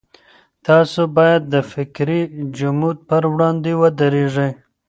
تاسو بايد د فکري جمود پر وړاندې ودرېږئ.